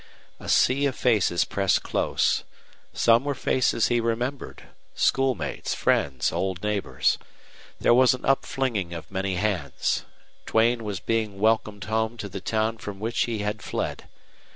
A sea of faces pressed close. Some were faces he remembered schoolmates, friends, old neighbors. There was an upflinging of many hands. Duane was being welcomed home to the town from which he had fled.